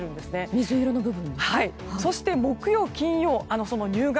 水色の部分。